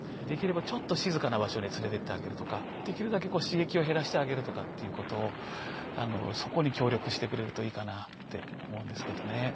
できればちょっと静かな場所に連れていってあげるとかできるだけ刺激を減らしてあげるとかっていうことをそこに協力してくれるといいかなって思うんですけどね。